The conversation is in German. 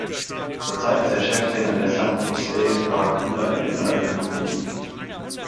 Zurzeit ist er Cheftrainer der San Jose Barracuda in der American Hockey League.